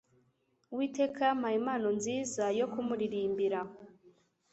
Uwiteka yampaye impano nziza yokumuririmbira